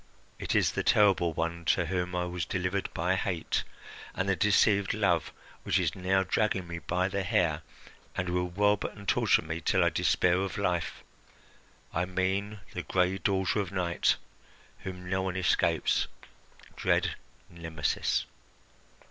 It is the terrible one to whom I was delivered by hate and the deceived love which is now dragging me by the hair, and will rob and torture me till I despair of life. I mean the gray daughter of Night, whom no one escapes, dread Nemesis."